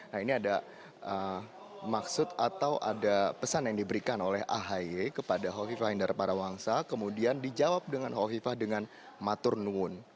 nah ini ada maksud atau ada pesan yang diberikan oleh ahy kepada hovifah indar parawangsa kemudian dijawab dengan hovifah dengan maturnuun